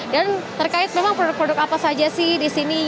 dan terkait memang produk produk apa saja sih di sini